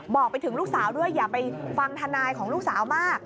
บอกไปถึงลูกสาวด้วยอย่าไปฟังทนายของลูกสาวมาก